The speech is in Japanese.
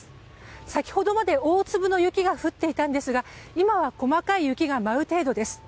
先ほどまで大粒の雪が降っていたんですが今は細かい雪が舞う程度です。